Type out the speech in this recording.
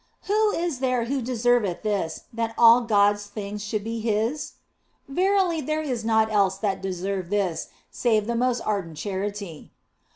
Who is there who deserveth this, that all God s things should be his ? Verily, there is naught else that deserveth this save the most ardent charity.